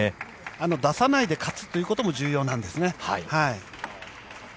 出さないで勝つということも重要なんですね。